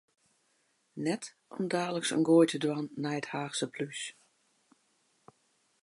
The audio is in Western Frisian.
Net om daliks in goai te dwaan nei it Haachske plús.